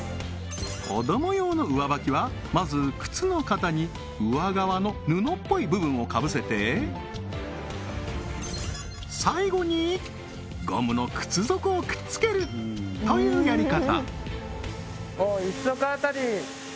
子ども用の上ばきはまず靴の型に上側の布っぽい部分をかぶせて最後にゴムの靴底をくっつけるというやり方